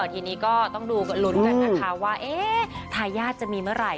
ทีนี้ก็ต้องดูลุ้นกันนะคะว่าทายาทจะมีเมื่อไหร่